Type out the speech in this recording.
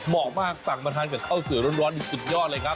เหมาะมากสั่งมาทานกับข้าวสวยร้อนสุดยอดเลยครับ